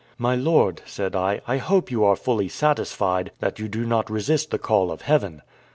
"My lord," said I, "I hope you are fully satisfied that you do not resist the call of Heaven."